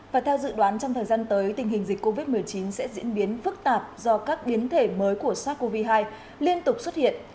và theo dự đoán trong thời gian tới tình hình dịch covid một mươi chín sẽ diễn biến phức tạp do các biến thể mới của sars cov hai liên tục xuất hiện